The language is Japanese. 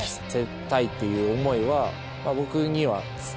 僕には。